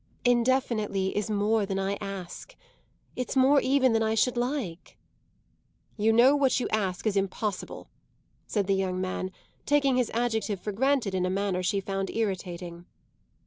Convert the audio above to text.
"Indefinitely is more than I ask. It's more even than I should like." "You know that what you ask is impossible," said the young man, taking his adjective for granted in a manner she found irritating.